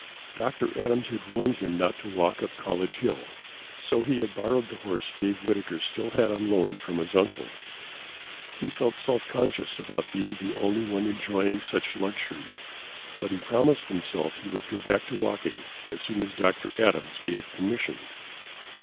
Dr. Adams had warned him not to walk up College Hill, so he had borrowed the horse Dave Whitaker still had on loan from his uncle. He felt self conscious about being the only one enjoying such luxury, but he promised himself he would go back to walking as soon as Dr. Adams gave permission.